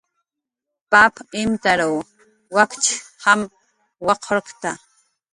Pap imtaruw wakch jam waqurktna